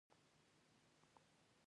په مرکزي امریکا کې هم یو بل خط جوړ شو.